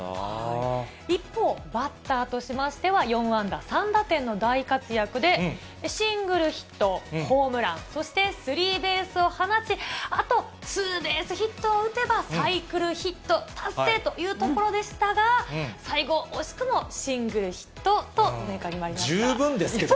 一方、バッターとしましては４安打３打点の大活躍で、シングルヒット、ホームラン、そしてスリーベースを放ち、あとツーベースヒットを打てばサイクルヒット達成というところでしたが、最後、十分ですけどね。